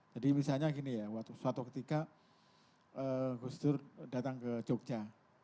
jadi misalnya gini ya suatu ketika gus dur datang ke jogja